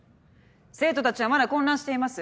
生徒たちはまだ混乱しています